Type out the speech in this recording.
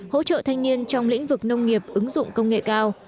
hỗ trợ thanh niên trong lĩnh vực nông nghiệp ứng dụng công nghệ cao